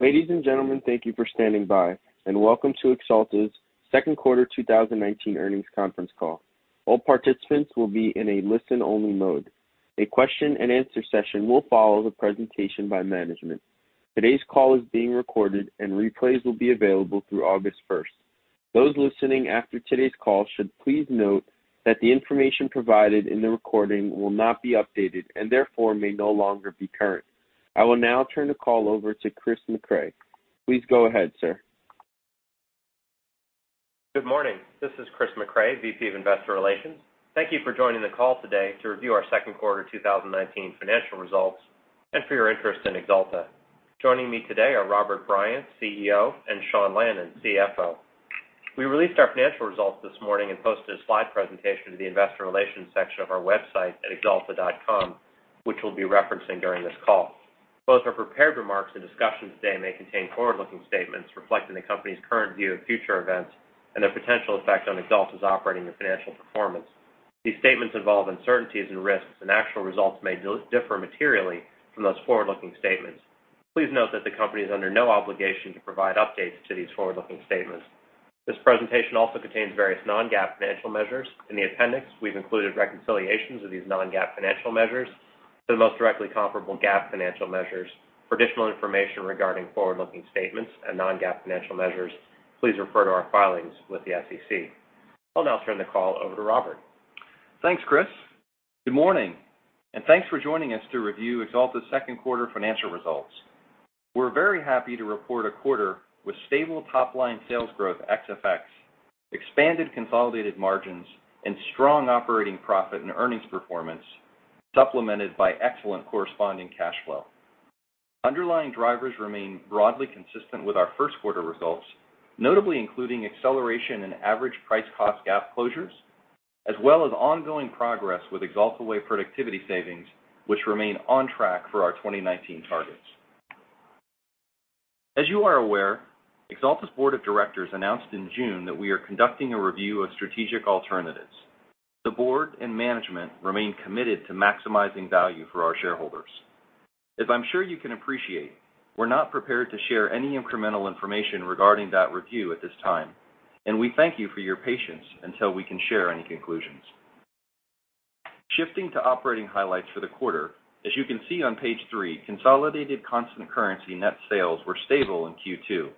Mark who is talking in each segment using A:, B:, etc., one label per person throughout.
A: Ladies and gentlemen, thank you for standing by, and welcome to Axalta's second quarter 2019 earnings conference call. All participants will be in a listen-only mode. A question and answer session will follow the presentation by management. Today's call is being recorded, and replays will be available through August 1st. Those listening after today's call should please note that the information provided in the recording will not be updated, and therefore, may no longer be current. I will now turn the call over to Chris Mecray. Please go ahead, sir.
B: Good morning. This is Chris Mecray, VP of Investor Relations. Thank you for joining the call today to review our second quarter 2019 financial results and for your interest in Axalta. Joining me today are Robert Bryant, CEO, and Sean Lannon, CFO. We released our financial results this morning and posted a slide presentation to the investor relations section of our website at axalta.com, which we'll be referencing during this call. Both our prepared remarks and discussion today may contain forward-looking statements reflecting the company's current view of future events and their potential effect on Axalta's operating and financial performance. These statements involve uncertainties and risks. Actual results may differ materially from those forward-looking statements. Please note that the company is under no obligation to provide updates to these forward-looking statements. This presentation also contains various non-GAAP financial measures. In the appendix, we've included reconciliations of these non-GAAP financial measures to the most directly comparable GAAP financial measures. For additional information regarding forward-looking statements and non-GAAP financial measures, please refer to our filings with the SEC. I'll now turn the call over to Robert.
C: Thanks, Chris. Good morning, and thanks for joining us to review Axalta's second quarter financial results. We're very happy to report a quarter with stable top-line sales growth ex FX, expanded consolidated margins, and strong operating profit and earnings performance, supplemented by excellent corresponding cash flow. Underlying drivers remain broadly consistent with our first quarter results, notably including acceleration in average price-cost gap closures, as well as ongoing progress with Axalta Way productivity savings, which remain on track for our 2019 targets. As you are aware, Axalta's Board of Directors announced in June that we are conducting a review of strategic alternatives. The board and management remain committed to maximizing value for our shareholders. As I'm sure you can appreciate, we're not prepared to share any incremental information regarding that review at this time, and we thank you for your patience until we can share any conclusions. Shifting to operating highlights for the quarter, as you can see on page three, consolidated constant currency net sales were stable in Q2.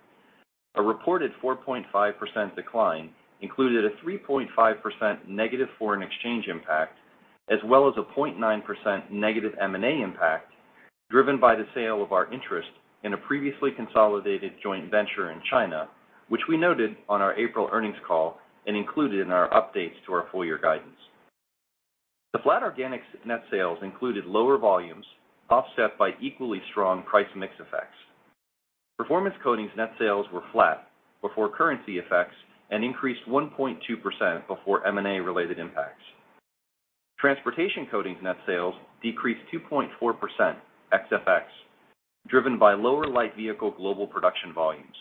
C: A reported 4.5% decline included a 3.5% negative foreign exchange impact, as well as a 0.9% negative M&A impact, driven by the sale of our interest in a previously consolidated joint venture in China, which we noted on our April earnings call and included in our updates to our full year guidance. The flat organics net sales included lower volumes offset by equally strong price mix effects. Performance Coatings net sales were flat before currency effects and increased 1.2% before M&A related impacts. Transportation Coatings net sales decreased 2.4% ex FX, driven by lower light vehicle global production volumes.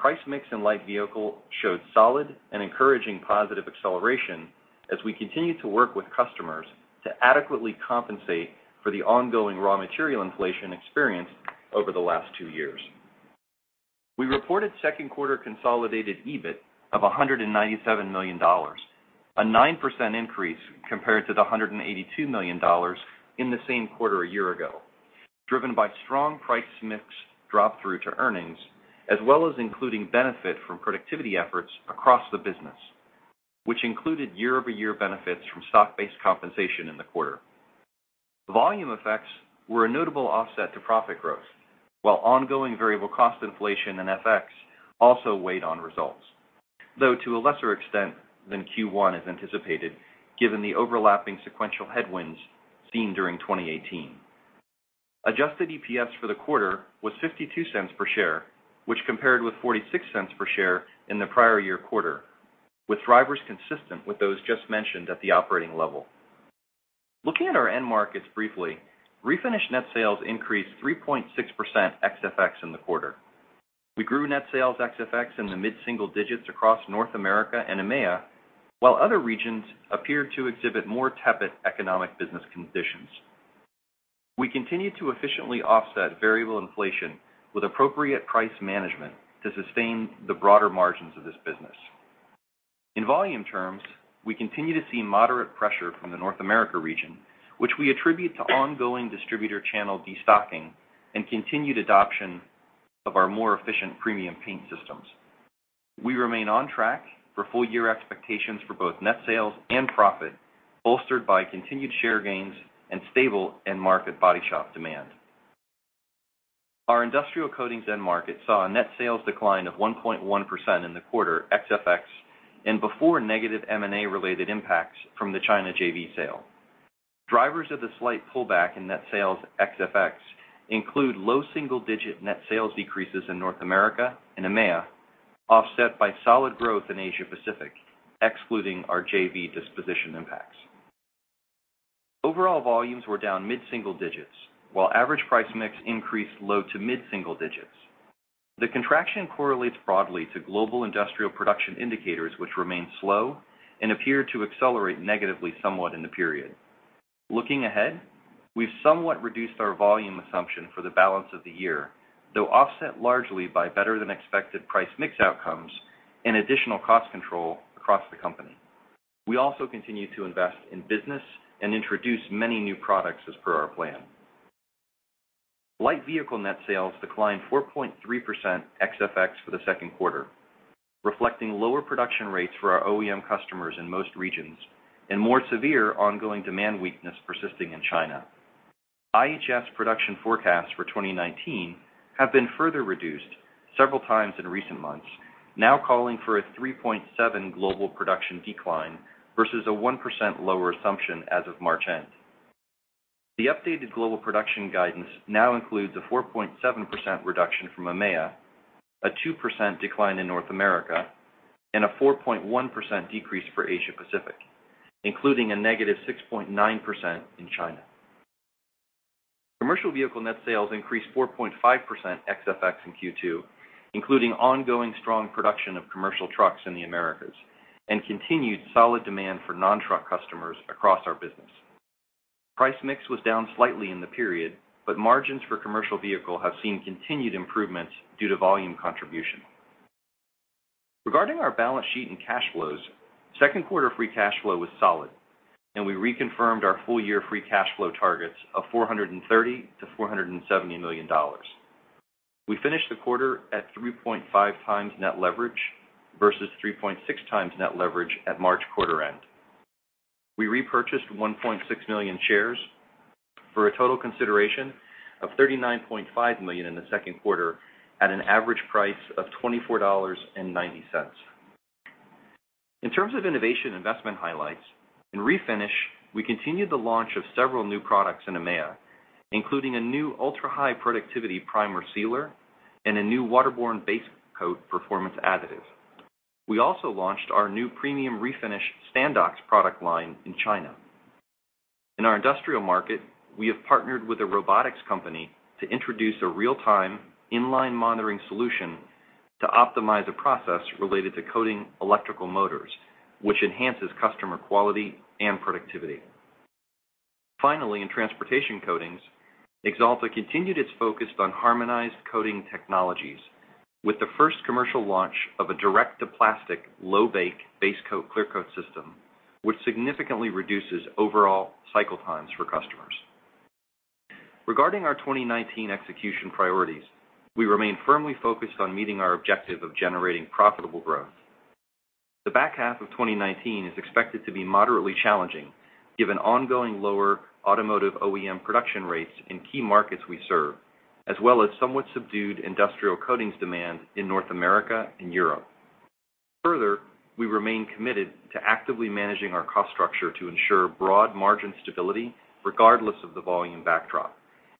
C: Price mix in light vehicle showed solid and encouraging positive acceleration as we continue to work with customers to adequately compensate for the ongoing raw material inflation experienced over the last two years. We reported second quarter consolidated EBIT of $197 million, a 9% increase compared to the $182 million in the same quarter a year ago, driven by strong price mix drop-through to earnings, as well as including benefit from productivity efforts across the business, which included year-over-year benefits from stock-based compensation in the quarter. Volume effects were a notable offset to profit growth, while ongoing variable cost inflation and FX also weighed on results, though to a lesser extent than Q1 as anticipated, given the overlapping sequential headwinds seen during 2018. Adjusted EPS for the quarter was $0.52 per share, which compared with $0.46 per share in the prior year quarter, with drivers consistent with those just mentioned at the operating level. Looking at our end markets briefly, Refinish net sales increased 3.6% ex FX in the quarter. We grew net sales ex FX in the mid-single digits across North America and EMEIA, while other regions appeared to exhibit more tepid economic business conditions. We continued to efficiently offset variable inflation with appropriate price management to sustain the broader margins of this business. In volume terms, we continue to see moderate pressure from the North America region, which we attribute to ongoing distributor channel destocking and continued adoption of our more efficient premium paint systems. We remain on track for full year expectations for both net sales and profit, bolstered by continued share gains and stable end market body shop demand. Our Industrial Coatings end market saw a net sales decline of 1.1% in the quarter ex FX and before negative M&A related impacts from the China JV sale. Drivers of the slight pullback in net sales ex FX include low single-digit net sales decreases in North America and EMEA, offset by solid growth in Asia Pacific, excluding our JV disposition impacts. Overall volumes were down mid-single digits, while average price mix increased low to mid-single digits. The contraction correlates broadly to global industrial production indicators, which remain slow and appear to accelerate negatively somewhat in the period. Looking ahead, we've somewhat reduced our volume assumption for the balance of the year, though offset largely by better than expected price mix outcomes and additional cost control across the company. We also continue to invest in business and introduce many new products as per our plan. Light vehicle net sales declined 4.3% ex FX for the second quarter, reflecting lower production rates for our OEM customers in most regions and more severe ongoing demand weakness persisting in China. IHS production forecasts for 2019 have been further reduced several times in recent months, now calling for a 3.7% global production decline versus a 1% lower assumption as of March end. The updated global production guidance now includes a 4.7% reduction from EMEIA, a 2% decline in North America, and a 4.1% decrease for Asia Pacific, including a negative 6.9% in China. Commercial vehicle net sales increased 4.5% ex FX in Q2, including ongoing strong production of commercial trucks in the Americas and continued solid demand for non-truck customers across our business. Price mix was down slightly in the period, but margins for commercial vehicle have seen continued improvements due to volume contribution. Regarding our balance sheet and cash flows, second quarter free cash flow was solid, and we reconfirmed our full year free cash flow targets of $430 million to $470 million. We finished the quarter at 3.5 times net leverage versus 3.6 times net leverage at March quarter end. We repurchased 1.6 million shares for a total consideration of $39.5 million in the second quarter at an average price of $24.90. In terms of innovation investment highlights, in Refinish, we continued the launch of several new products in EMEA, including a new ultra-high productivity primer sealer and a new waterborne base coat performance additive. We also launched our new premium Refinish Standox product line in China. In our industrial market, we have partnered with a robotics company to introduce a real-time inline monitoring solution to optimize a process related to coating electrical motors, which enhances customer quality and productivity. Finally, in Transportation Coatings, Axalta continued its focus on harmonized coating technologies with the first commercial launch of a direct-to-plastic low-bake base coat/clear coat system, which significantly reduces overall cycle times for customers. Regarding our 2019 execution priorities, we remain firmly focused on meeting our objective of generating profitable growth. The back half of 2019 is expected to be moderately challenging given ongoing lower automotive OEM production rates in key markets we serve, as well as somewhat subdued industrial coatings demand in North America and Europe. We remain committed to actively managing our cost structure to ensure broad margin stability regardless of the volume backdrop,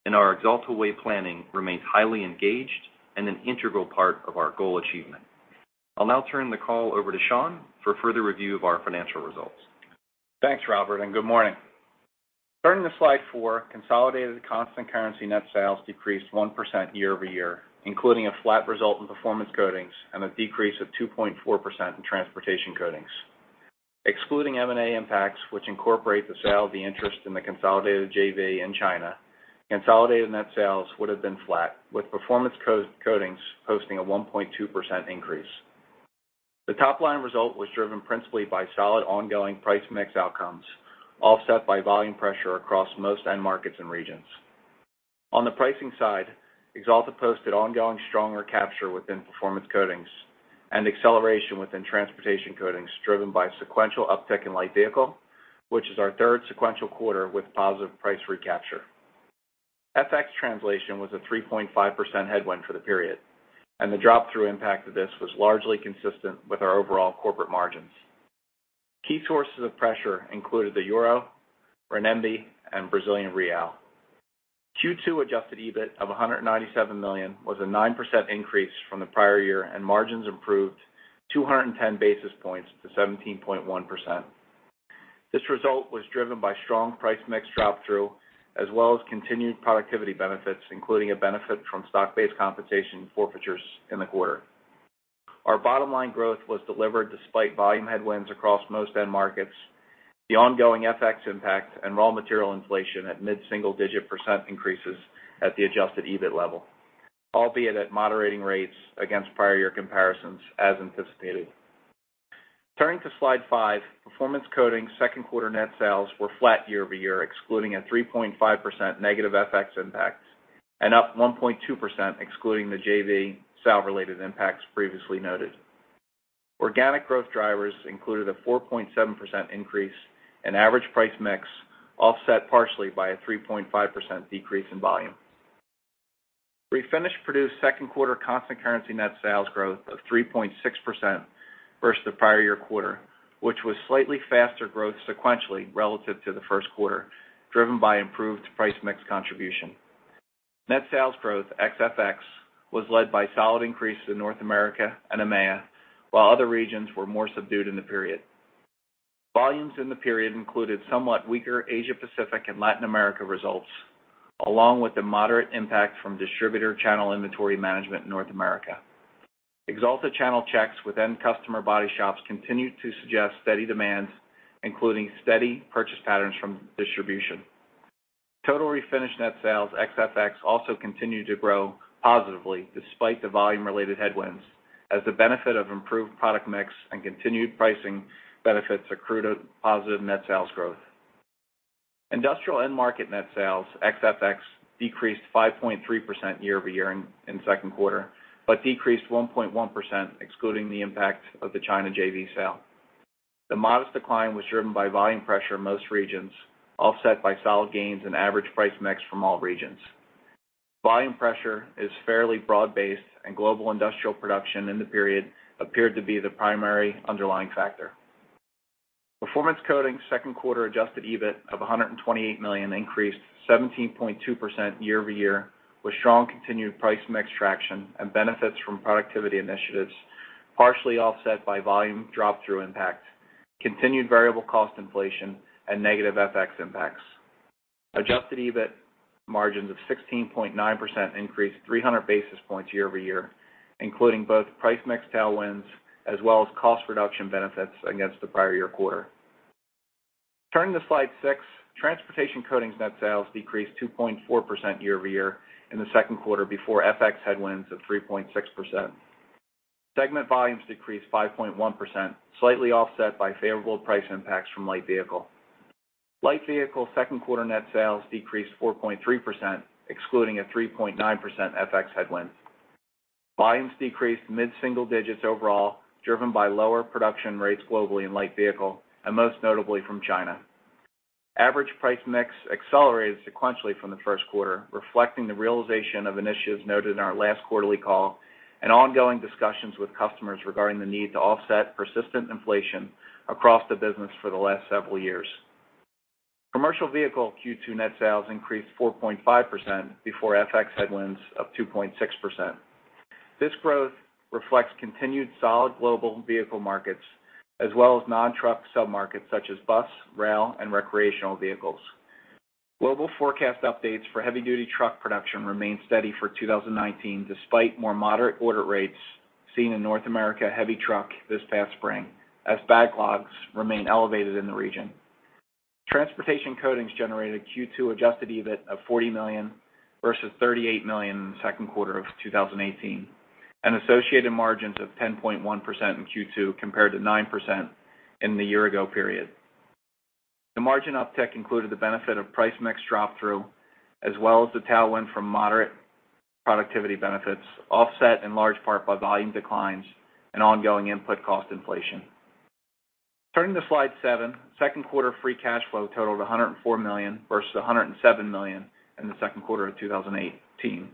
C: and our Axalta Way planning remains highly engaged and an integral part of our goal achievement. I'll now turn the call over to Sean for further review of our financial results.
D: Thanks, Robert, and good morning. Turning to slide four, consolidated constant currency net sales decreased 1% year-over-year, including a flat result in Performance Coatings and a decrease of 2.4% in Transportation Coatings. Excluding M&A impacts, which incorporate the sale of the interest in the consolidated JV in China, consolidated net sales would've been flat with Performance Coatings posting a 1.2% increase. The top-line result was driven principally by solid ongoing price mix outcomes, offset by volume pressure across most end markets and regions. On the pricing side, Axalta posted ongoing stronger capture within Performance Coatings and acceleration within Transportation Coatings, driven by sequential uptick in light vehicle, which is our third sequential quarter with positive price recapture. FX translation was a 3.5% headwind for the period, and the drop through impact of this was largely consistent with our overall corporate margins. Key sources of pressure included the euro, renminbi, and Brazilian real. Q2 adjusted EBIT of $197 million was a 9% increase from the prior year, and margins improved 210 basis points to 17.1%. This result was driven by strong price mix drop through, as well as continued productivity benefits, including a benefit from stock-based compensation forfeitures in the quarter. Our bottom-line growth was delivered despite volume headwinds across most end markets, the ongoing FX impact, and raw material inflation at mid-single-digit percent increases at the adjusted EBIT level, albeit at moderating rates against prior year comparisons as anticipated. Turning to slide five, Performance Coatings second quarter net sales were flat year-over-year, excluding a 3.5% negative FX impact and up 1.2%, excluding the JV sale-related impacts previously noted. Organic growth drivers included a 4.7% increase in average price mix, offset partially by a 3.5% decrease in volume. Refinish produced second quarter constant currency net sales growth of 3.6% versus the prior year quarter, which was slightly faster growth sequentially relative to the first quarter, driven by improved price mix contribution. Net sales growth ex FX was led by solid increases in North America and EMEA, while other regions were more subdued in the period. Volumes in the period included somewhat weaker Asia Pacific and Latin America results, along with the moderate impact from distributor channel inventory management in North America. Axalta channel checks with end customer body shops continue to suggest steady demands, including steady purchase patterns from distribution. Total Refinish net sales ex FX also continue to grow positively despite the volume-related headwinds, as the benefit of improved product mix and continued pricing benefits accrue to positive net sales growth. Industrial end market net sales ex FX decreased 5.3% year-over-year in second quarter. Decreased 1.1% excluding the impact of the China JV sale. The modest decline was driven by volume pressure in most regions, offset by solid gains in average price mix from all regions. Volume pressure is fairly broad-based. Global industrial production in the period appeared to be the primary underlying factor. Performance Coatings second quarter adjusted EBIT of $128 million increased 17.2% year-over-year, with strong continued price mix traction and benefits from productivity initiatives, partially offset by volume drop through impact, continued variable cost inflation, and negative FX impacts. Adjusted EBIT margins of 16.9% increased 300 basis points year-over-year, including both price mix tailwinds, as well as cost reduction benefits against the prior year quarter. Turning to slide six, Transportation Coatings net sales decreased 2.4% year-over-year in the second quarter before FX headwinds of 3.6%. Segment volumes decreased 5.1%, slightly offset by favorable price impacts from Light Vehicle. Light Vehicle second quarter net sales decreased 4.3%, excluding a 3.9% FX headwind. Volumes decreased mid-single digits overall, driven by lower production rates globally in Light Vehicle, and most notably from China. Average price mix accelerated sequentially from the first quarter, reflecting the realization of initiatives noted in our last quarterly call and ongoing discussions with customers regarding the need to offset persistent inflation across the business for the last several years. Commercial Vehicle Q2 net sales increased 4.5% before FX headwinds of 2.6%. This growth reflects continued solid global vehicle markets as well as non-truck submarkets such as bus, rail, and recreational vehicles. Global forecast updates for heavy-duty truck production remain steady for 2019 despite more moderate order rates seen in North America heavy truck this past spring, as backlogs remain elevated in the region. Transportation Coatings generated Q2 adjusted EBIT of $40 million versus $38 million in the second quarter of 2018, and associated margins of 10.1% in Q2 compared to 9% in the year ago period. The margin uptick included the benefit of price mix drop through, as well as the tailwind from moderate productivity benefits, offset in large part by volume declines and ongoing input cost inflation. Turning to slide seven, second quarter free cash flow totaled $104 million versus $107 million in the second quarter of 2018.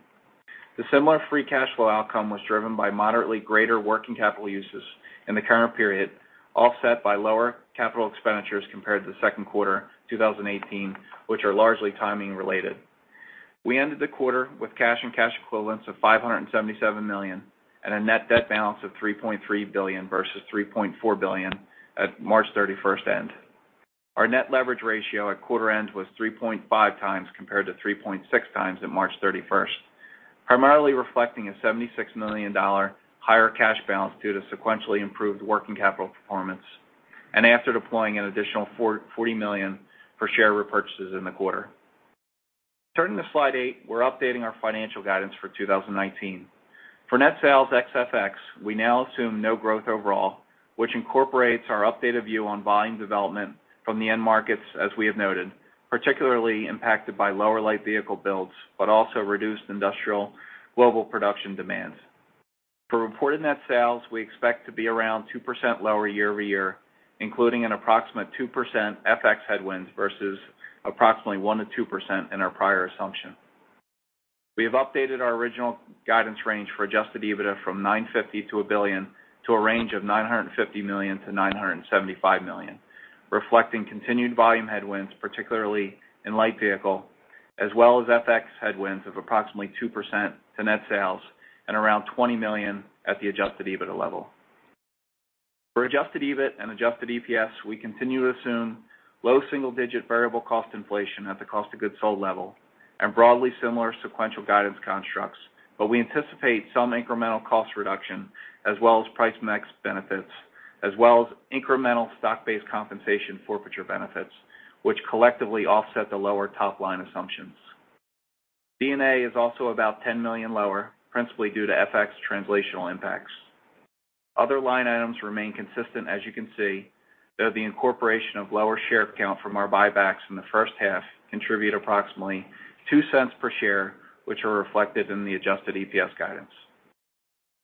D: The similar free cash flow outcome was driven by moderately greater working capital uses in the current period, offset by lower capital expenditures compared to the second quarter 2018, which are largely timing related. We ended the quarter with cash and cash equivalents of $577 million and a net debt balance of $3.3 billion versus $3.4 billion at March 31st end. Our net leverage ratio at quarter end was 3.5 times compared to 3.6 times at March 31st, primarily reflecting a $76 million higher cash balance due to sequentially improved working capital performance, and after deploying an additional $40 million for share repurchases in the quarter. Turning to slide eight, we are updating our financial guidance for 2019. For net sales ex FX, we now assume no growth overall, which incorporates our updated view on volume development from the end markets as we have noted, particularly impacted by lower light vehicle builds, but also reduced industrial global production demands. For reported net sales, we expect to be around 2% lower year-over-year, including an approximate 2% FX headwinds versus approximately 1%-2% in our prior assumption. We have updated our original guidance range for adjusted EBITDA from $950 million to $1 billion to a range of $950 million to $975 million, reflecting continued volume headwinds, particularly in Light Vehicle, as well as FX headwinds of approximately 2% to net sales and around $20 million at the adjusted EBITDA level. For adjusted EBIT and adjusted EPS, we continue to assume low single-digit variable cost inflation at the cost of goods sold level and broadly similar sequential guidance constructs, but we anticipate some incremental cost reduction as well as price mix benefits, as well as incremental stock-based compensation forfeiture benefits, which collectively offset the lower top-line assumptions. D&A is also about $10 million lower, principally due to FX translational impacts. Other line items remain consistent, as you can see, though the incorporation of lower share count from our buybacks in the first half contribute approximately $0.02 per share, which are reflected in the adjusted EPS guidance.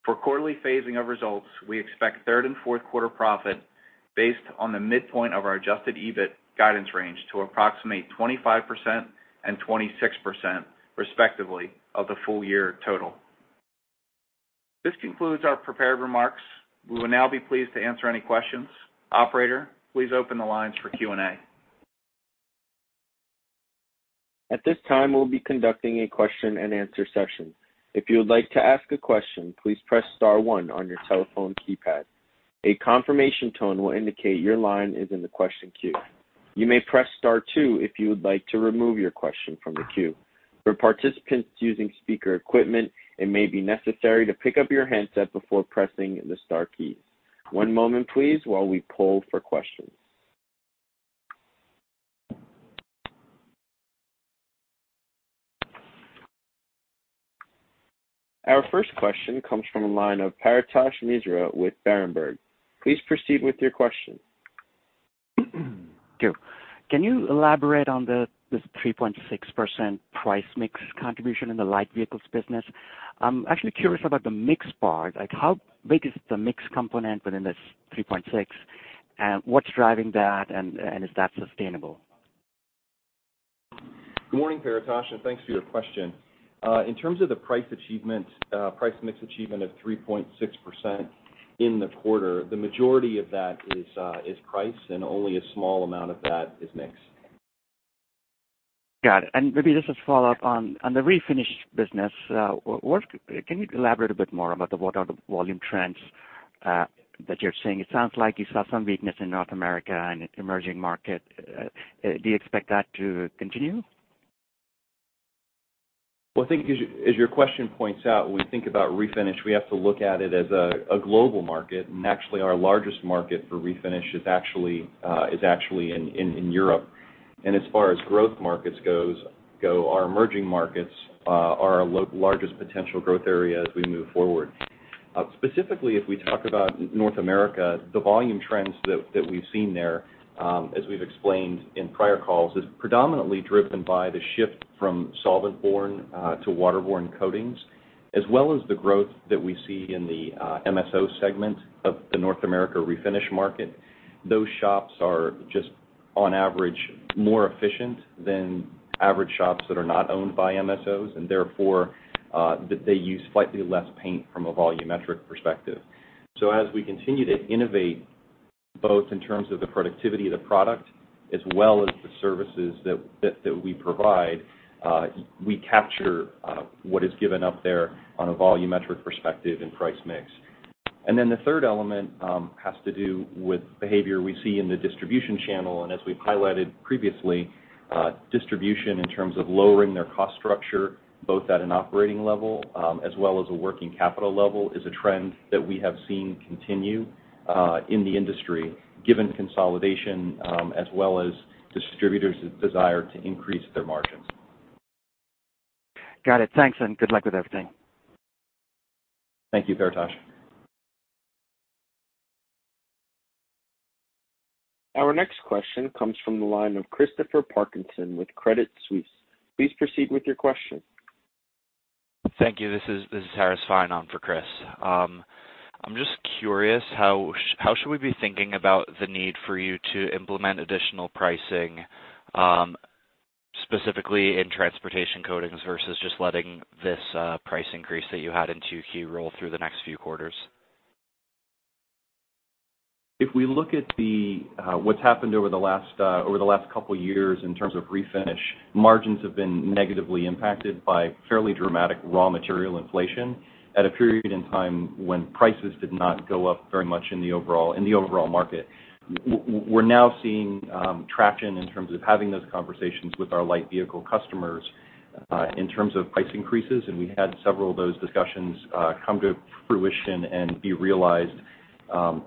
D: For quarterly phasing of results, we expect third and fourth quarter profit based on the midpoint of our adjusted EBIT guidance range to approximate 25% and 26%, respectively, of the full year total. This concludes our prepared remarks. We will now be pleased to answer any questions. Operator, please open the lines for Q&A.
A: At this time, we'll be conducting a question and answer session. If you would like to ask a question, please press star one on your telephone keypad. A confirmation tone will indicate your line is in the question queue. You may press star two if you would like to remove your question from the queue. For participants using speaker equipment, it may be necessary to pick up your handset before pressing the star key. One moment, please, while we poll for questions. Our first question comes from the line of Paretosh Misra with Berenberg. Please proceed with your question.
E: Sure. Can you elaborate on this 3.6% price mix contribution in the light vehicles business? I'm actually curious about the mix part. How big is the mix component within this 3.6? What's driving that, and is that sustainable?
C: Good morning, Paretosh. Thanks for your question. In terms of the price mix achievement of 3.6% in the quarter, the majority of that is price, and only a small amount of that is mix.
E: Got it. Maybe just as follow-up on the refinish business, can you elaborate a bit more about what are the volume trends that you're seeing? It sounds like you saw some weakness in North America and emerging market. Do you expect that to continue?
C: Well, I think as your question points out, when we think about refinish, we have to look at it as a global market. Actually, our largest market for refinish is actually in Europe. As far as growth markets go, our emerging markets are our largest potential growth area as we move forward. Specifically, if we talk about North America, the volume trends that we've seen there, as we've explained in prior calls, is predominantly driven by the shift from solvent-borne to water-borne coatings, as well as the growth that we see in the MSO segment of the North America refinish market. Those shops are just, on average, more efficient than average shops that are not owned by MSOs, and therefore, they use slightly less paint from a volumetric perspective. As we continue to innovate, both in terms of the productivity of the product as well as the services that we provide, we capture what is given up there on a volumetric perspective in price mix. The third element has to do with behavior we see in the distribution channel. As we've highlighted previously, distribution in terms of lowering their cost structure, both at an operating level as well as a working capital level, is a trend that we have seen continue in the industry, given consolidation as well as distributors' desire to increase their margins.
E: Got it. Thanks. Good luck with everything.
C: Thank you, Paretosh.
A: Our next question comes from the line of Christopher Parkinson with Credit Suisse. Please proceed with your question.
F: Thank you. This is Harris Fine on for Chris. I'm just curious, how should we be thinking about the need for you to implement additional pricing, specifically in Transportation Coatings versus just letting this price increase that you had in 2Q roll through the next few quarters?
C: If we look at what's happened over the last couple years in terms of refinish, margins have been negatively impacted by fairly dramatic raw material inflation at a period in time when prices did not go up very much in the overall market. We're now seeing traction in terms of having those conversations with our light vehicle customers in terms of price increases, and we had several of those discussions come to fruition and be realized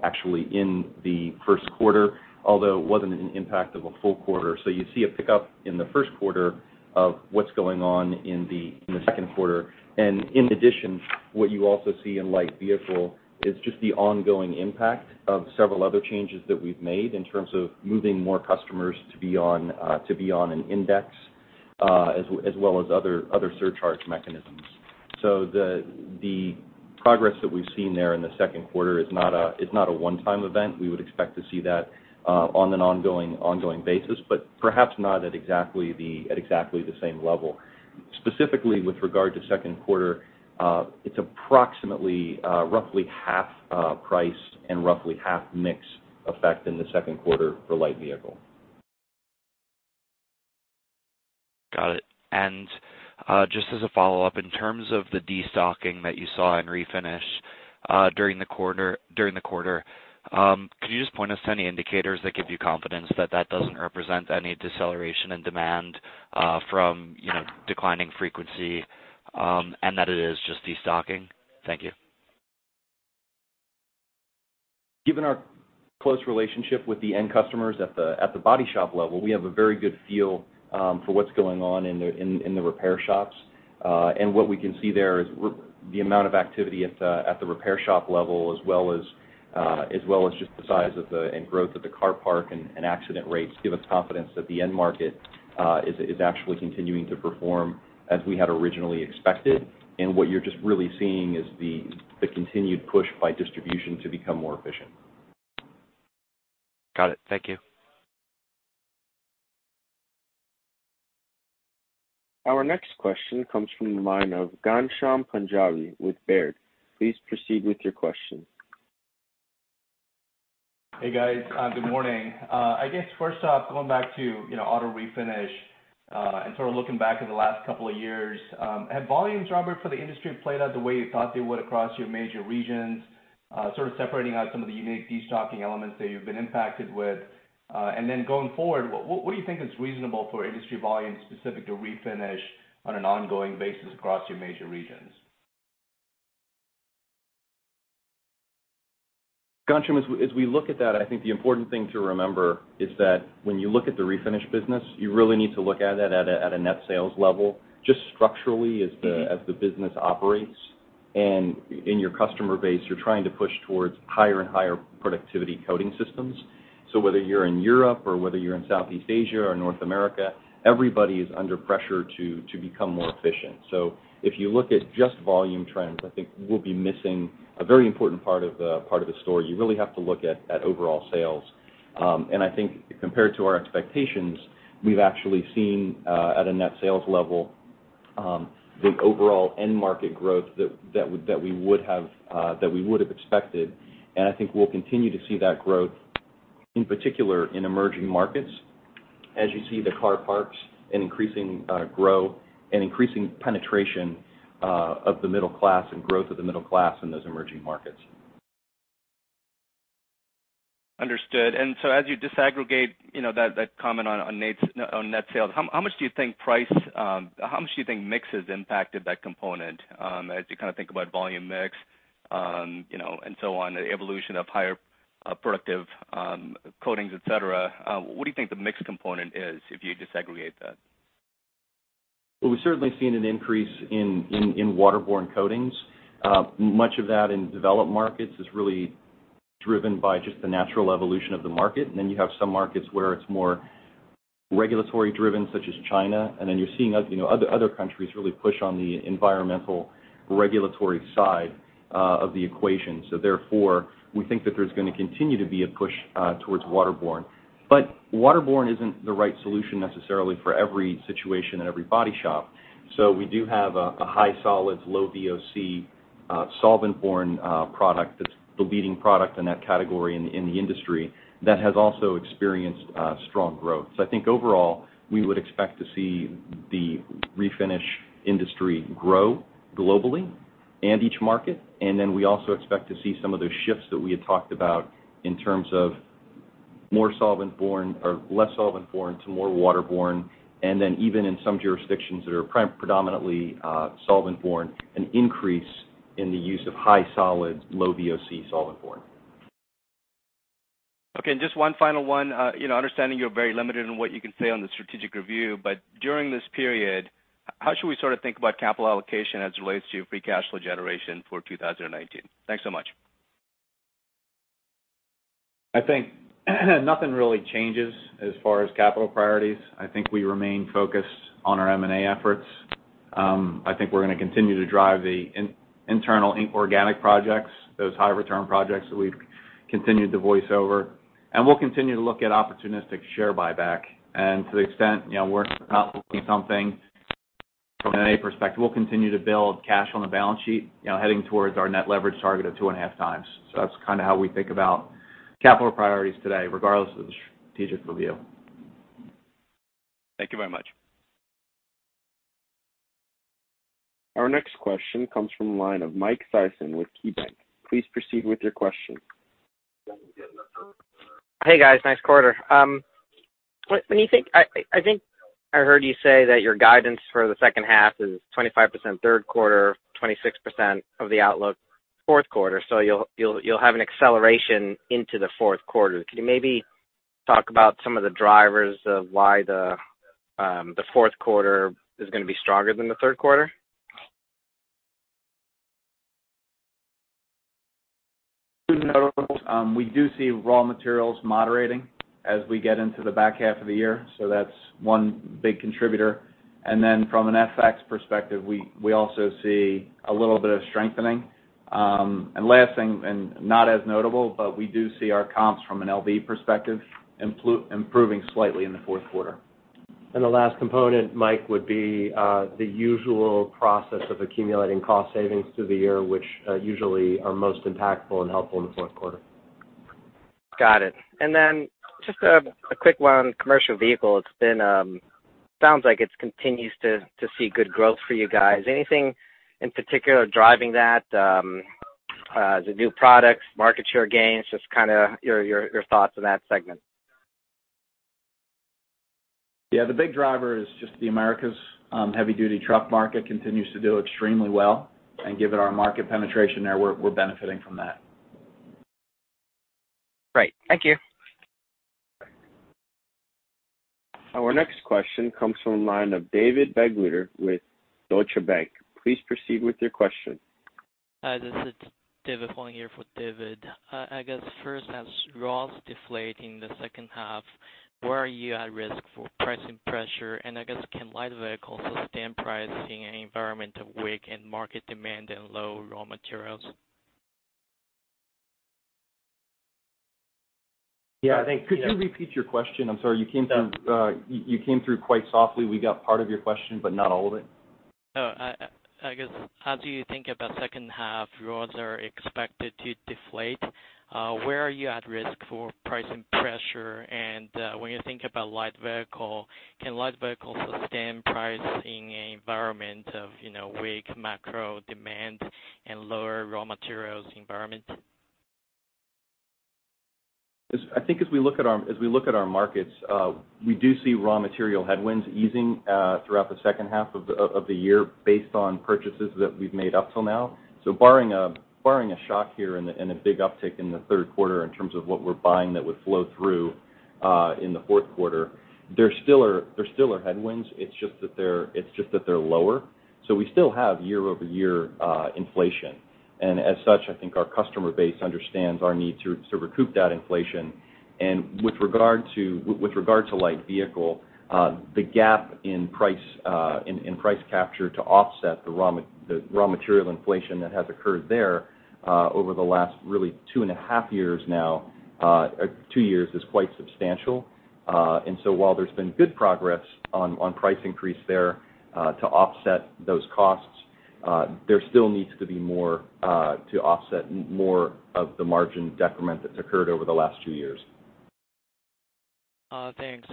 C: actually in the first quarter, although it wasn't an impact of a full quarter. You see a pickup in the first quarter of what's going on in the second quarter. In addition, what you also see in light vehicle is just the ongoing impact of several other changes that we've made in terms of moving more customers to be on an index, as well as other surcharge mechanisms. The progress that we've seen there in the second quarter is not a one-time event. We would expect to see that on an ongoing basis, but perhaps not at exactly the same level. Specifically, with regard to second quarter, it's approximately roughly half price and roughly half mix effect in the second quarter for light vehicle.
F: Got it. Just as a follow-up, in terms of the de-stocking that you saw in refinish during the quarter, could you just point us to any indicators that give you confidence that that doesn't represent any deceleration in demand from declining frequency, and that it is just de-stocking? Thank you.
C: Given our close relationship with the end customers at the body shop level, we have a very good feel for what's going on in the repair shops. What we can see there is the amount of activity at the repair shop level as well as just the size and growth of the car park and accident rates give us confidence that the end market is actually continuing to perform as we had originally expected. What you're just really seeing is the continued push by distribution to become more efficient.
F: Got it. Thank you.
A: Our next question comes from the line of Ghansham Panjabi with Baird. Please proceed with your question.
G: Hey guys, good morning. I guess first off, going back to auto refinish, and sort of looking back at the last couple of years, have volumes, Robert, for the industry played out the way you thought they would across your major regions, sort of separating out some of the unique destocking elements that you've been impacted with? Then going forward, what do you think is reasonable for industry volume specific to refinish on an ongoing basis across your major regions?
C: Ghansham, as we look at that, I think the important thing to remember is that when you look at the refinish business, you really need to look at it at a net sales level, just structurally as the business operates. In your customer base, you're trying to push towards higher and higher productivity coating systems. Whether you're in Europe or whether you're in Southeast Asia or North America, everybody is under pressure to become more efficient. If you look at just volume trends, I think we'll be missing a very important part of the story. You really have to look at overall sales. I think compared to our expectations, we've actually seen, at a net sales level, the overall end market growth that we would have expected. I think we'll continue to see that growth in particular in emerging markets as you see the car parks and increasing penetration of the middle class and growth of the middle class in those emerging markets.
G: Understood. As you disaggregate that comment on net sales, how much do you think mix has impacted that component? As you kind of think about volume mix, and so on, the evolution of higher productive coatings, et cetera, what do you think the mix component is if you disaggregate that?
C: Well, we've certainly seen an increase in waterborne coatings. Much of that in developed markets is really driven by just the natural evolution of the market. You have some markets where it's more regulatory driven, such as China. You're seeing other countries really push on the environmental regulatory side of the equation. Therefore, we think that there's going to continue to be a push towards waterborne. Waterborne isn't the right solution necessarily for every situation and every body shop. We do have a high solids, low VOC, solventborne product that's the leading product in that category in the industry that has also experienced strong growth. I think overall, we would expect to see the refinish industry grow globally and each market. We also expect to see some of those shifts that we had talked about in terms of less solventborne to more waterborne, and then even in some jurisdictions that are predominantly solventborne, an increase in the use of high solids, low VOC solventborne.
G: Okay, just one final one. Understanding you're very limited in what you can say on the strategic review, during this period, how should we sort of think about capital allocation as it relates to your free cash flow generation for 2019? Thanks so much.
D: I think nothing really changes as far as capital priorities. I think we remain focused on our M&A efforts. I think we're going to continue to drive the internal inorganic projects, those high return projects that we've continued to voice over. We'll continue to look at opportunistic share buyback. To the extent, we're not looking at something from an M&A perspective, we'll continue to build cash on the balance sheet, heading towards our net leverage target of two and a half times. That's kind of how we think about capital priorities today, regardless of the strategic review.
G: Thank you very much.
A: Our next question comes from the line of Mike Theisen with KeyBanc. Please proceed with your question.
H: Hey, guys. Nice quarter. I think I heard you say that your guidance for the second half is 25% third quarter, 26% of the outlook fourth quarter. You'll have an acceleration into the fourth quarter. Can you maybe talk about some of the drivers of why the fourth quarter is going to be stronger than the third quarter?
D: Two notables. We do see raw materials moderating as we get into the back half of the year, that's one big contributor. From an FX perspective, we also see a little bit of strengthening. Last thing, not as notable, we do see our comps from an LV perspective improving slightly in the fourth quarter.
C: The last component, Mike, would be the usual process of accumulating cost savings through the year, which usually are most impactful and helpful in the fourth quarter.
H: Got it. Just a quick one, commercial vehicles, sounds like it continues to see good growth for you guys. Anything in particular driving that? Is it new products, market share gains? Just kind of your thoughts on that segment.
D: Yeah. The big driver is just the Americas. Heavy duty truck market continues to do extremely well. Given our market penetration there, we're benefiting from that.
H: Great. Thank you.
A: Our next question comes from the line of David Begleiter with Deutsche Bank. Please proceed with your question.
I: Hi, this is David calling here for David. I guess first, as raws deflate in the second half, where are you at risk for pricing pressure? I guess can light vehicles sustain pricing in an environment of weak market demand and low raw materials?
C: Yeah. Could you repeat your question? I'm sorry.
I: Sure. You came through quite softly. We got part of your question, but not all of it. I guess as you think about second half, raw materials are expected to deflate. Where are you at risk for pricing pressure? When you think about light vehicle, can light vehicles sustain price in an environment of weak macro demand and lower raw materials environment?
C: I think as we look at our markets, we do see raw material headwinds easing throughout the second half of the year based on purchases that we've made up till now. Barring a shock here and a big uptick in the third quarter in terms of what we're buying that would flow through in the fourth quarter, there still are headwinds, it's just that they're lower. We still have year-over-year inflation. As such, I think our customer base understands our need to recoup that inflation. With regard to light vehicle, the gap in price capture to offset the raw material inflation that has occurred there over the last two years is quite substantial. While there's been good progress on price increase there to offset those costs, there still needs to be more to offset more of the margin decrement that's occurred over the last two years.
I: Thanks.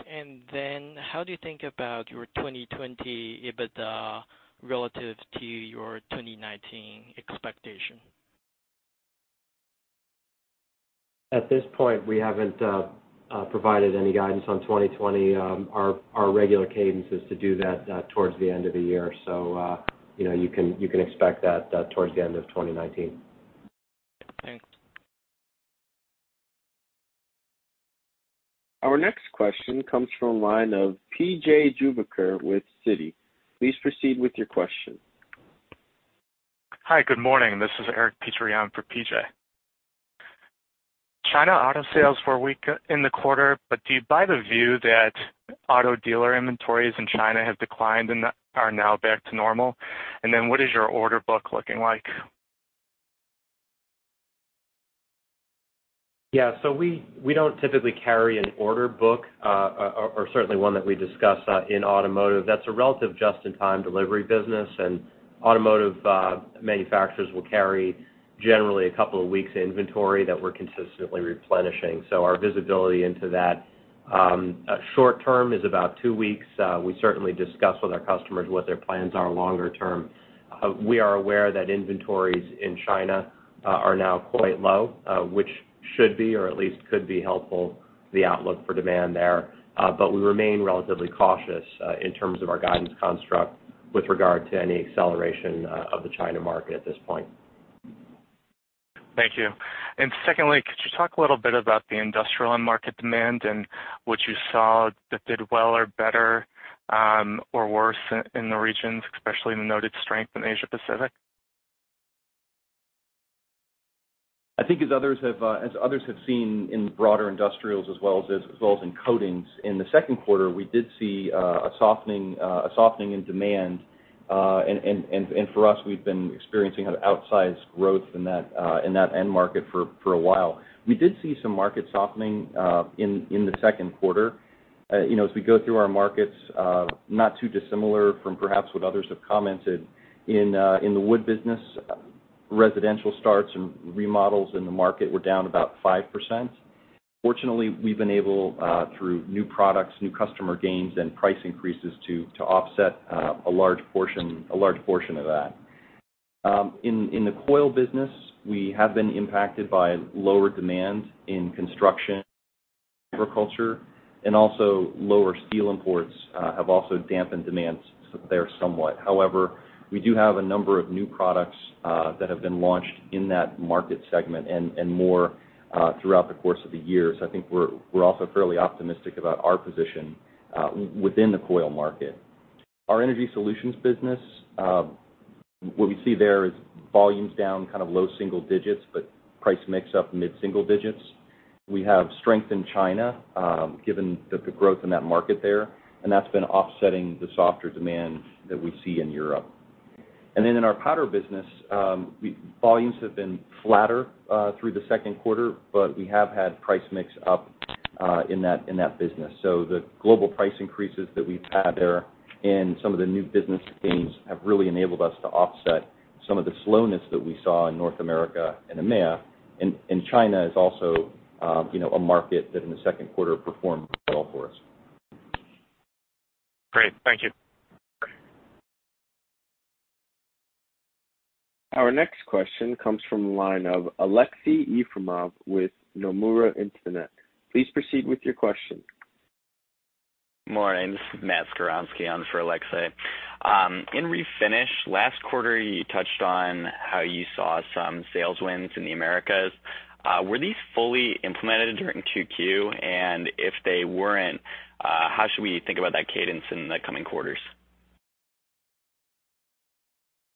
I: Then how do you think about your 2020 EBITDA relative to your 2019 expectation?
C: At this point, we haven't provided any guidance on 2020. Our regular cadence is to do that towards the end of the year. You can expect that towards the end of 2019.
I: Thanks.
A: Our next question comes from the line of PJ Juvekar with Citi. Please proceed with your question.
J: Hi. Good morning. This is Eric Petrie for PJ. China auto sales were weak in the quarter. Do you buy the view that auto dealer inventories in China have declined and are now back to normal? What is your order book looking like?
C: Yeah. We don't typically carry an order book, or certainly one that we discuss in automotive. That's a relative just-in-time delivery business, and automotive manufacturers will carry generally a couple of weeks inventory that we're consistently replenishing. Our visibility into that short term is about two weeks. We certainly discuss with our customers what their plans are longer term. We are aware that inventories in China are now quite low, which should be, or at least could be helpful for the outlook for demand there. We remain relatively cautious in terms of our guidance construct with regard to any acceleration of the China market at this point.
J: Thank you. Secondly, could you talk a little bit about the industrial end market demand and what you saw that did well or better, or worse in the regions, especially the noted strength in Asia Pacific?
C: I think as others have seen in broader industrials as well as in coatings, in the second quarter, we did see a softening in demand. For us, we've been experiencing outsized growth in that end market for a while. We did see some market softening in the second quarter. As we go through our markets, not too dissimilar from perhaps what others have commented. In the wood business, residential starts and remodels in the market were down about 5%. Fortunately, we've been able, through new products, new customer gains, and price increases, to offset a large portion of that. In the coil business, we have been impacted by lower demand in construction, agriculture, and also lower steel imports have also dampened demands there somewhat. We do have a number of new products that have been launched in that market segment and more throughout the course of the year. I think we're also fairly optimistic about our position within the coil market. Our energy solutions business, what we see there is volumes down kind of low single digits, but price mix up mid-single digits. We have strength in China, given the growth in that market there, and that's been offsetting the softer demand that we see in Europe. In our powder business, volumes have been flatter through the second quarter, but we have had price mix up in that business. The global price increases that we've had there and some of the new business gains have really enabled us to offset some of the slowness that we saw in North America and EMEIA. China is also a market that in the second quarter performed well for us.
J: Great. Thank you.
A: Our next question comes from the line of Aleksey Yefremov with Nomura Instinet. Please proceed with your question.
K: Morning. This is Matt Skowronski on for Aleksey. In Refinish, last quarter you touched on how you saw some sales wins in the Americas. Were these fully implemented during 2Q? If they weren't, how should we think about that cadence in the coming quarters?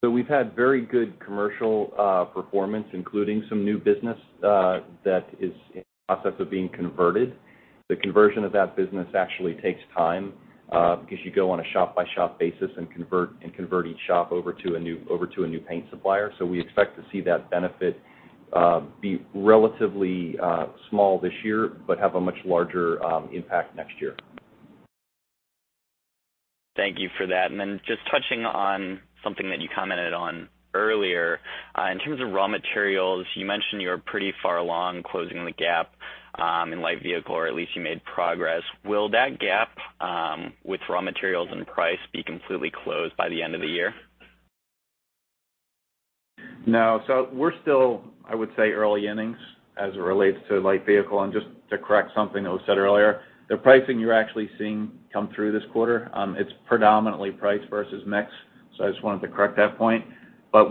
C: We've had very good commercial performance, including some new business that is in the process of being converted. The conversion of that business actually takes time, because you go on a shop-by-shop basis and convert each shop over to a new paint supplier. We expect to see that benefit be relatively small this year, but have a much larger impact next year.
K: Thank you for that. Just touching on something that you commented on earlier. In terms of raw materials, you mentioned you're pretty far along closing the gap in light vehicle, or at least you made progress. Will that gap, with raw materials and price, be completely closed by the end of the year?
C: No. We're still, I would say, early innings as it relates to light vehicle. Just to correct something that was said earlier, the pricing you're actually seeing come through this quarter, it's predominantly price versus mix. I just wanted to correct that point.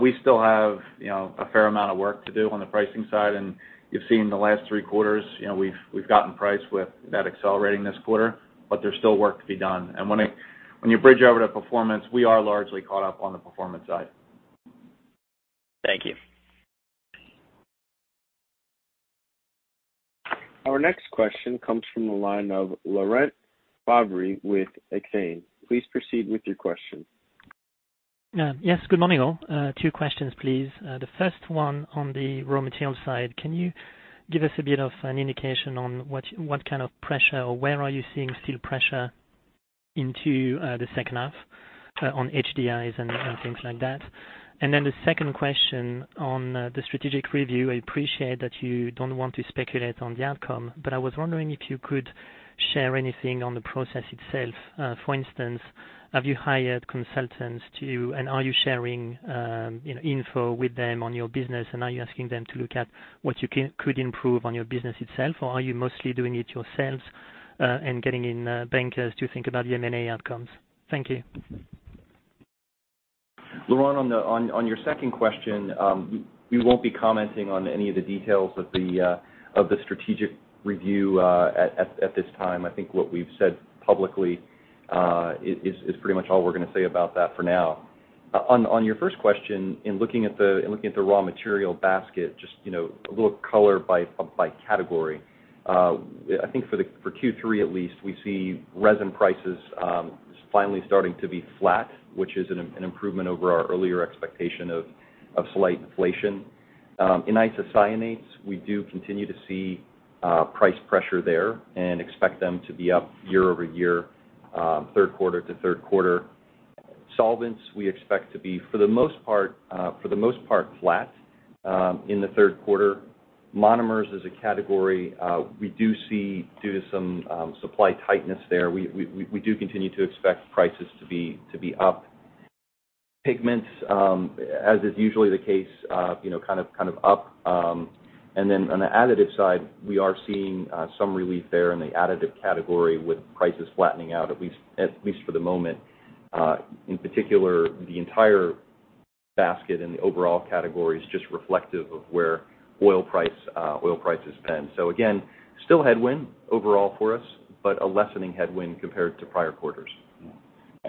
C: We still have a fair amount of work to do on the pricing side, and you've seen the last three quarters, we've gotten price with that accelerating this quarter, but there's still work to be done. When you bridge over to Performance Coatings, we are largely caught up on the Performance Coatings side.
K: Thank you.
A: Our next question comes from the line of Laurent Favre with Exane. Please proceed with your question.
L: Yes, good morning, all. Two questions, please. The first one on the raw material side, can you give us a bit of an indication on what kind of pressure, or where are you seeing still pressure into the second half on HDIs and things like that? The second question on the strategic review, I appreciate that you don't want to speculate on the outcome, but I was wondering if you could share anything on the process itself. For instance, have you hired consultants to, and are you sharing info with them on your business, and are you asking them to look at what you could improve on your business itself, or are you mostly doing it yourselves, and getting in bankers to think about the M&A outcomes? Thank you.
C: Laurent, on your second question, we won't be commenting on any of the details of the strategic review at this time. I think what we've said publicly is pretty much all we're going to say about that for now. On your first question, in looking at the raw material basket, just a little color by category. I think for Q3 at least, we see resin prices finally starting to be flat, which is an improvement over our earlier expectation of slight inflation. In isocyanates, we do continue to see price pressure there, and expect them to be up year-over-year, third quarter to third quarter. Solvents we expect to be, for the most part, flat in the third quarter. Monomers as a category, we do see, due to some supply tightness there, we do continue to expect prices to be up. Pigments, as is usually the case, kind of up. On the additive side, we are seeing some relief there in the additive category with prices flattening out, at least for the moment. In particular, the entire basket and the overall category is just reflective of where oil prices pin. So again, still headwind overall for us, but a lessening headwind compared to prior quarters.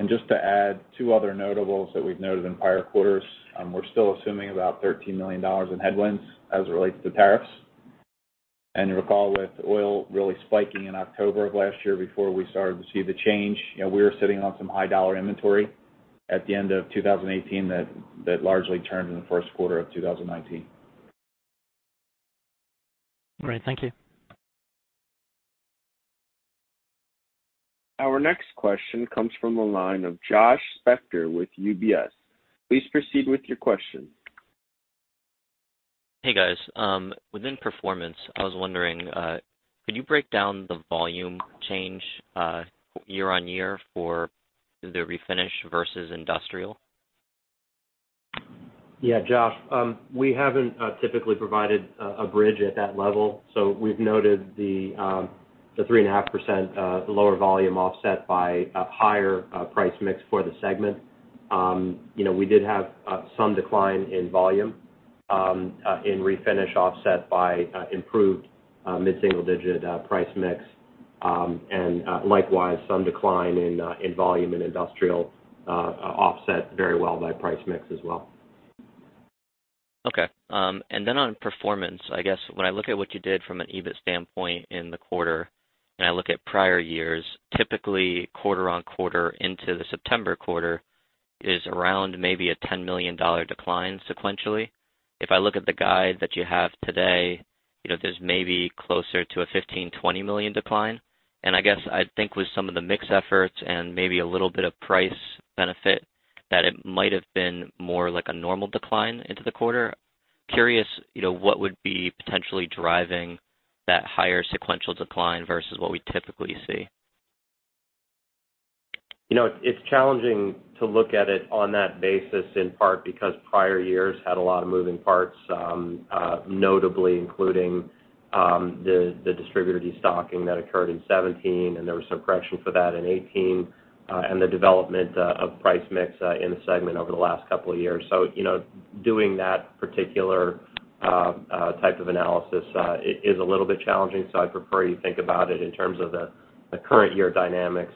D: Just to add two other notables that we've noted in prior quarters, we're still assuming about $13 million in headwinds as it relates to tariffs. You'll recall with oil really spiking in October of last year before we started to see the change, we were sitting on some high dollar inventory at the end of 2018 that largely turned in the first quarter of 2019.
L: Great. Thank you.
A: Our next question comes from the line of Josh Spector with UBS. Please proceed with your question.
M: Hey, guys. Within Performance, I was wondering, could you break down the volume change year-on-year for the refinish versus industrial?
C: Yeah, Josh. We haven't typically provided a bridge at that level. We've noted the 3.5% lower volume offset by a higher price mix for the segment. We did have some decline in volume in refinish offset by improved mid-single digit price mix. Likewise, some decline in volume in industrial, offset very well by price mix as well.
M: Okay. On performance, I guess when I look at what you did from an EBIT standpoint in the quarter, and I look at prior years, typically quarter-over-quarter into the September quarter is around maybe a $10 million decline sequentially. If I look at the guide that you have today, there's maybe closer to a $15 million-$20 million decline. I guess, I think with some of the mix efforts and maybe a little bit of price benefit, that it might have been more like a normal decline into the quarter. Curious, what would be potentially driving that higher sequential decline versus what we typically see?
C: It's challenging to look at it on that basis, in part because prior years had a lot of moving parts, notably including the distributor de-stocking that occurred in 2017, and there was some correction for that in 2018, and the development of price mix in the segment over the last couple of years. Doing that particular type of analysis is a little bit challenging, so I'd prefer you think about it in terms of the current year dynamics,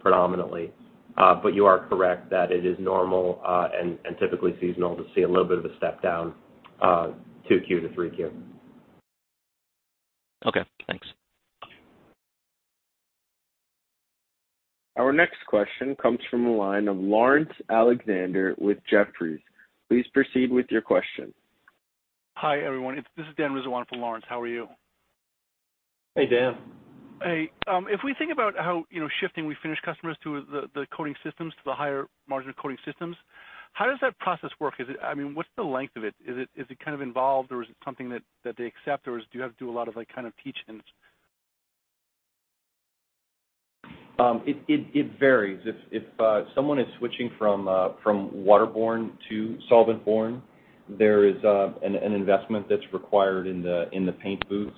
C: predominantly. You are correct that it is normal, and typically seasonal to see a little bit of a step down 2Q to 3Q.
M: Okay, thanks.
A: Our next question comes from the line of Laurence Alexander with Jefferies. Please proceed with your question.
N: Hi, everyone. This is Dan Rizwan for Laurence. How are you?
C: Hey, Dan.
N: Hey. If we think about how shifting refinish customers to the coating systems, to the higher margin coating systems, how does that process work? What's the length of it? Is it kind of involved, or is it something that they accept, or do you have to do a lot of teach and.
C: It varies. If someone is switching from waterborne to solvent-borne, there is an investment that's required in the paint booths.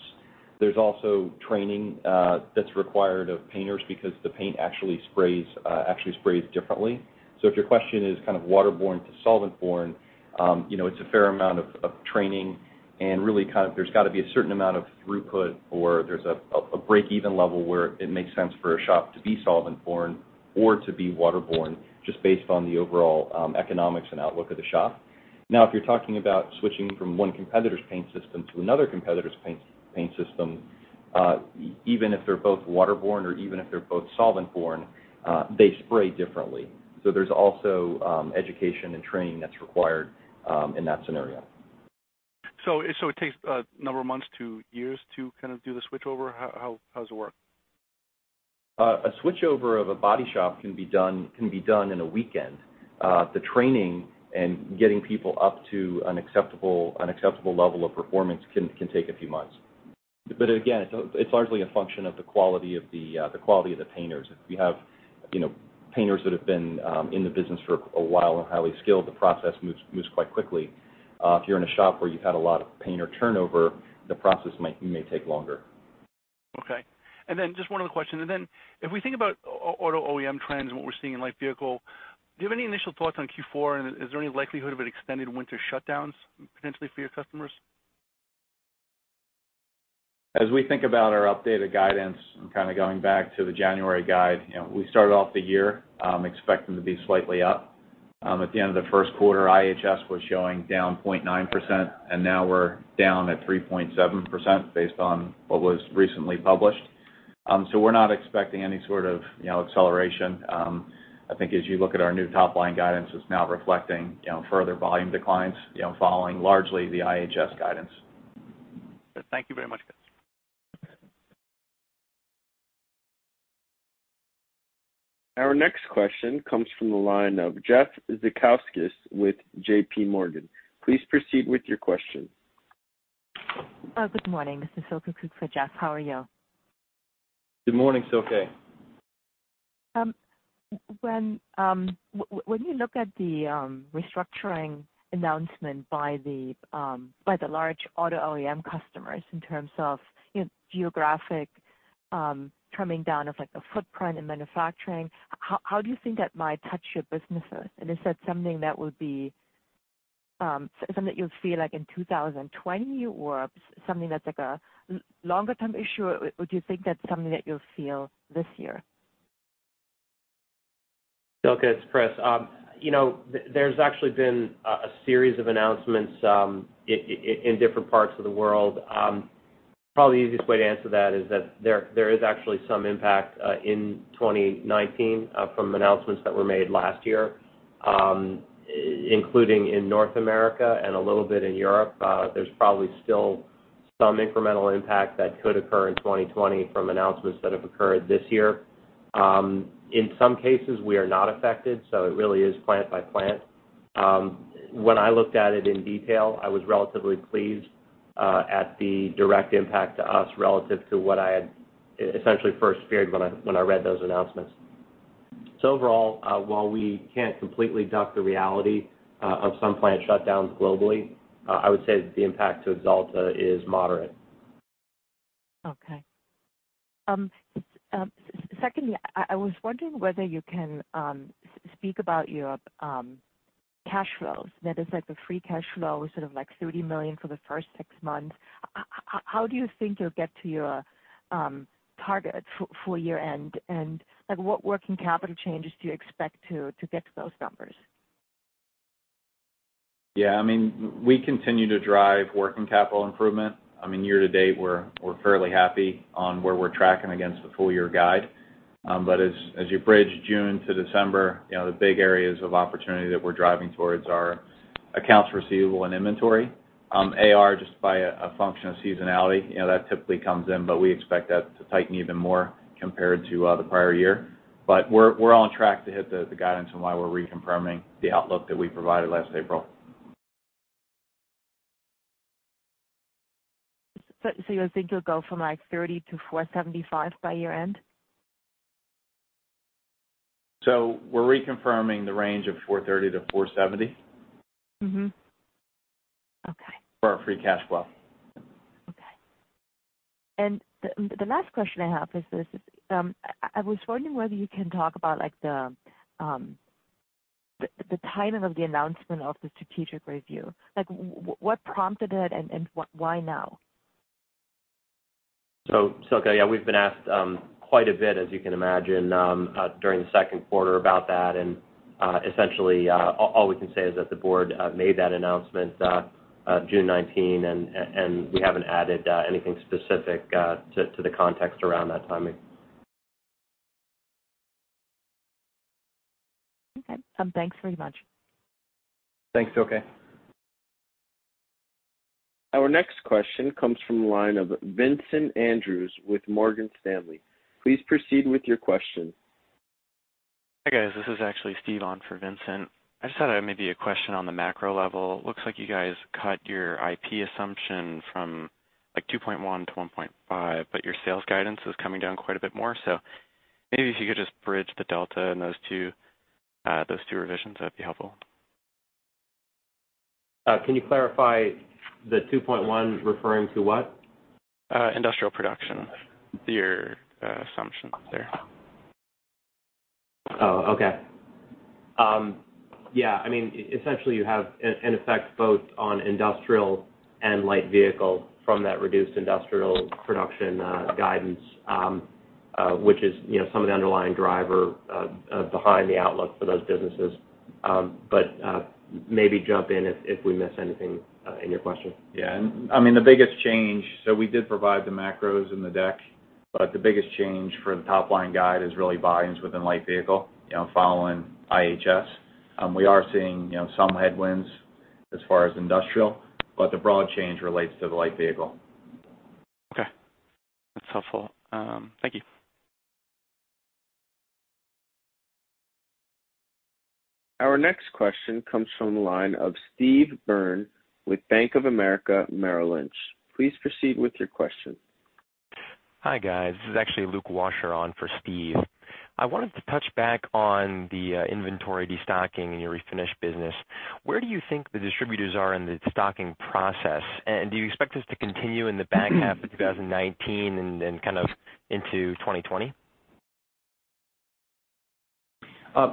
C: There's also training that's required of painters because the paint actually sprays differently. If your question is waterborne to solvent-borne, it's a fair amount of training, and really there's got to be a certain amount of throughput, or there's a breakeven level where it makes sense for a shop to be solvent-borne or to be waterborne just based on the overall economics and outlook of the shop. Now, if you're talking about switching from one competitor's paint system to another competitor's paint system, even if they're both waterborne or even if they're both solvent-borne, they spray differently. There's also education and training that's required in that scenario.
N: It takes a number of months to years to do the switchover? How does it work?
C: A switchover of a body shop can be done in a weekend. The training and getting people up to an acceptable level of performance can take a few months. Again, it's largely a function of the quality of the painters. If you have painters that have been in the business for a while and highly skilled, the process moves quite quickly. If you're in a shop where you've had a lot of painter turnover, the process may take longer.
N: Okay. Just one other question. If we think about auto OEM trends and what we're seeing in light vehicle, do you have any initial thoughts on Q4, and is there any likelihood of an extended winter shutdowns potentially for your customers?
C: As we think about our updated guidance and kind of going back to the January guide, we started off the year expecting to be slightly up. At the end of the first quarter, IHS was showing down 0.9%, and now we're down at 3.7% based on what was recently published. We're not expecting any sort of acceleration. I think as you look at our new top-line guidance, it's now reflecting further volume declines, following largely the IHS guidance.
N: Good. Thank you very much, guys.
A: Our next question comes from the line of Jeff Zekauskas with JPMorgan. Please proceed with your question.
O: Good morning. This is Silke for Jeff. How are you?
C: Good morning, Silke.
O: When you look at the restructuring announcement by the large auto OEM customers in terms of geographic trimming down of the footprint in manufacturing, how do you think that might touch your businesses? Is that something that you'll feel like in 2020, or something that's like a longer-term issue, or do you think that's something that you'll feel this year?
B: Silke, it's Chris. There's actually been a series of announcements in different parts of the world. Probably the easiest way to answer that is that there is actually some impact in 2019 from announcements that were made last year, including in North America and a little bit in Europe. There's probably still some incremental impact that could occur in 2020 from announcements that have occurred this year. In some cases, we are not affected, so it really is plant by plant. When I looked at it in detail, I was relatively pleased at the direct impact to us relative to what I had essentially first feared when I read those announcements. Overall, while we can't completely duck the reality of some plant shutdowns globally, I would say that the impact to Axalta is moderate.
O: Okay. Secondly, I was wondering whether you can speak about your cash flows. That is like the free cash flow, sort of like $30 million for the first six months. How do you think you'll get to your target for year-end, and what working capital changes do you expect to get to those numbers?
D: Yeah, we continue to drive working capital improvement. Year to date, we're fairly happy on where we're tracking against the full-year guide. As you bridge June to December, the big areas of opportunity that we're driving towards are accounts receivable and inventory. AR, just by a function of seasonality, that typically comes in, but we expect that to tighten even more compared to the prior year. We're on track to hit the guidance and why we're reconfirming the outlook that we provided last April.
O: You think you'll go from like $30 to $475 by year-end?
D: We're reconfirming the range of $430-$470.
O: Mm-hmm. Okay.
D: For our free cash flow.
O: Okay. The last question I have is this, I was wondering whether you can talk about the timing of the announcement of the strategic review. What prompted it, and why now?
C: Silke, yeah, we've been asked quite a bit, as you can imagine, during the second quarter about that. Essentially, all we can say is that the board made that announcement June 19, and we haven't added anything specific to the context around that timing.
O: Okay. Thanks very much.
C: Thanks, Silke.
A: Our next question comes from the line of Vincent Andrews with Morgan Stanley. Please proceed with your question.
P: Hi, guys. This is actually Steve on for Vincent. I just had maybe a question on the macro level. Looks like you guys cut your IP assumption from 2.1 to 1.5, but your sales guidance is coming down quite a bit more. Maybe if you could just bridge the delta on those two revisions, that'd be helpful.
C: Can you clarify, the 2.1 referring to what?
Q: Industrial production, your assumption there.
C: Okay. Essentially you have an effect both on industrial and light vehicle from that reduced industrial production guidance, which is some of the underlying driver behind the outlook for those businesses. Maybe jump in if we miss anything in your question?
D: We did provide the macros in the deck, but the biggest change for the top-line guide is really volumes within light vehicle, following IHS. We are seeing some headwinds as far as industrial, but the broad change relates to the light vehicle.
Q: Okay. That's helpful. Thank you.
A: Our next question comes from the line of Steve Byrne with Bank of America Merrill Lynch. Please proceed with your question.
P: Hi, guys. This is actually Luke Washer on for Steve. I wanted to touch back on the inventory destocking in your refinish business. Where do you think the distributors are in the destocking process? Do you expect this to continue in the back half of 2019 and then kind of into 2020?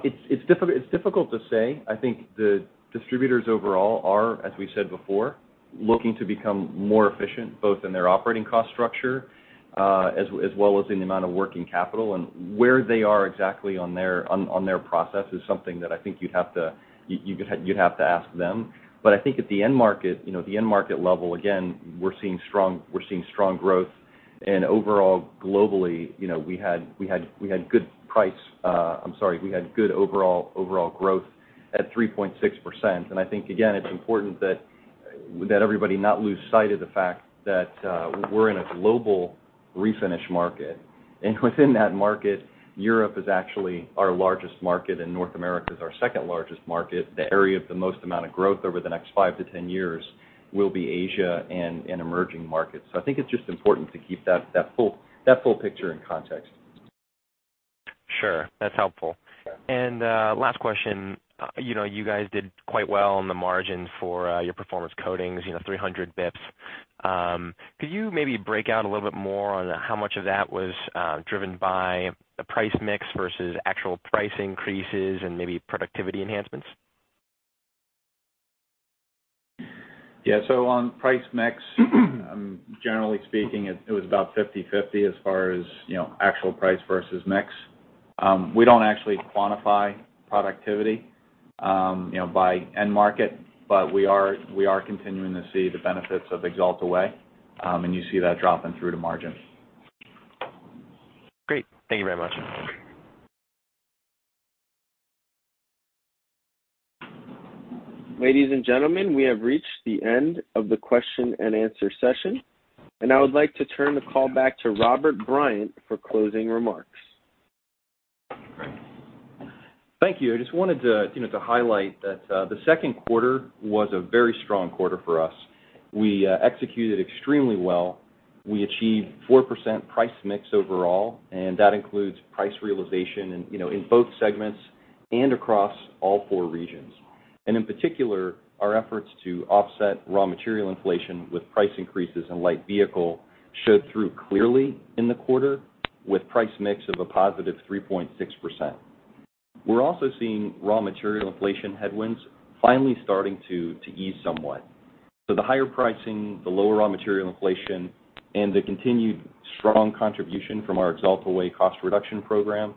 C: It's difficult to say. I think the distributors overall are, as we said before, looking to become more efficient, both in their operating cost structure as well as in the amount of working capital. Where they are exactly on their process is something that I think you'd have to ask them. I think at the end market level, again, we're seeing strong growth, and overall, globally, we had good overall growth at 3.6%. I think, again, it's important that everybody not lose sight of the fact that we're in a global refinish market. Within that market, Europe is actually our largest market, and North America is our second-largest market. The area of the most amount of growth over the next five to 10 years will be Asia and emerging markets. I think it's just important to keep that full picture in context.
P: Sure. That's helpful.
C: Okay.
O: Last question. You guys did quite well on the margin for your Performance Coatings, 300 basis points. Could you maybe break out a little bit more on how much of that was driven by the price mix versus actual price increases and maybe productivity enhancements?
D: On price mix, generally speaking, it was about 50/50 as far as actual price versus mix. We don't actually quantify productivity by end market, but we are continuing to see the benefits of Axalta Way, and you see that dropping through to margin.
P: Great. Thank you very much.
A: Ladies and gentlemen, we have reached the end of the question and answer session, and I would like to turn the call back to Robert Bryant for closing remarks.
C: Thank you. I just wanted to highlight that the second quarter was a very strong quarter for us. We executed extremely well. We achieved 4% price mix overall, and that includes price realization in both segments and across all four regions. In particular, our efforts to offset raw material inflation with price increases in light vehicle showed through clearly in the quarter, with price mix of a positive 3.6%. We're also seeing raw material inflation headwinds finally starting to ease somewhat. The higher pricing, the lower raw material inflation, and the continued strong contribution from our Axalta Way cost reduction program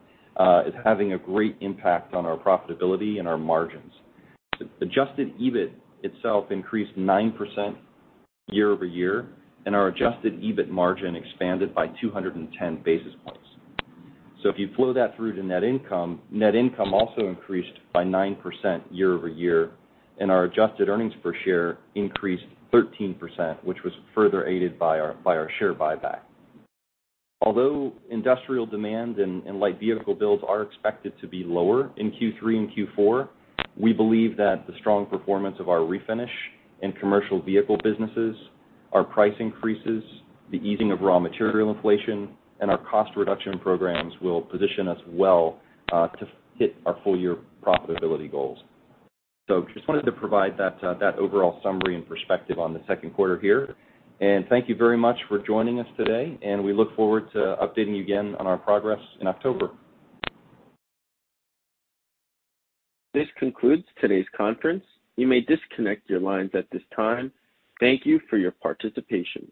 C: is having a great impact on our profitability and our margins. Adjusted EBIT itself increased 9% year-over-year, and our adjusted EBIT margin expanded by 210 basis points. If you flow that through to net income, net income also increased by 9% year-over-year, and our adjusted earnings per share increased 13%, which was further aided by our share buyback. Although industrial demand and light vehicle builds are expected to be lower in Q3 and Q4, we believe that the strong performance of our refinish and commercial vehicle businesses, our price increases, the easing of raw material inflation, and our cost reduction programs will position us well to hit our full-year profitability goals. Just wanted to provide that overall summary and perspective on the second quarter here. Thank you very much for joining us today, and we look forward to updating you again on our progress in October.
A: This concludes today's conference. You may disconnect your lines at this time. Thank you for your participation.